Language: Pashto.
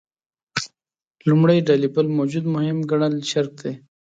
لومړۍ ډلې بل موجود مهم ګڼل شرک دی.